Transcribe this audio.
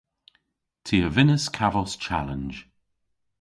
Ty a vynnas kavos chalenj.